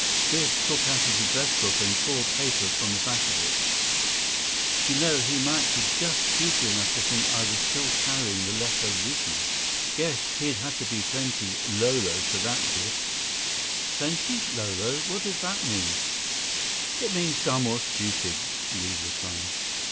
Biff took out his address book and tore paper from the back of it. "You know he might be just stupid enough to think I was still carrying the letter with me." "Guess he'd have to be plenty lolo for that, Biff." "Plenty lolo? What does that mean?" "It means dumb or stupid," Li replied.